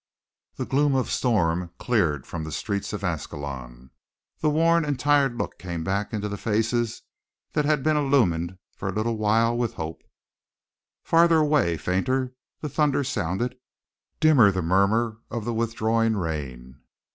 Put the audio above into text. The gloom of storm cleared from the streets of Ascalon, the worn and tired look came back into faces that had been illumined for a little while with hope. Farther away, fainter, the thunder sounded, dimmer the murmur of the withdrawing rain.